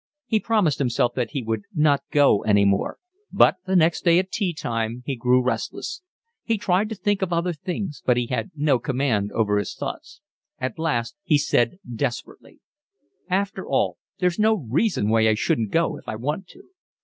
He promised himself that he would not go any more, but the next day at tea time he grew restless. He tried to think of other things, but he had no command over his thoughts. At last he said desperately: "After all there's no reason why I shouldn't go if I want to."